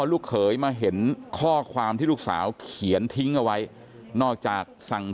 ลูกเขยมาเห็นข้อความที่ลูกสาวเขียนทิ้งเอาไว้นอกจากสั่ง